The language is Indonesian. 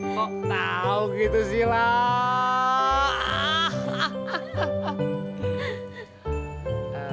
kok tahu gitu sila